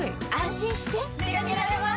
心してでかけられます